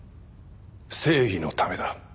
正義のためだ。